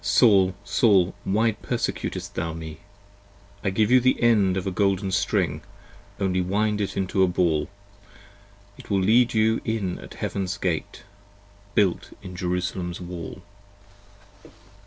" Saul, Saul, Why persecutest thou me? " I give you the end of a golden string, Only wind it into a ball: It will lead you in at Heaven's gate, Built in Jerusalem's wall.